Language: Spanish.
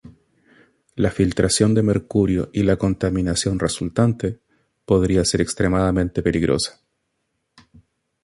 La filtración del mercurio y la contaminación resultante podría ser extremadamente peligrosa.